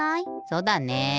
そうだね。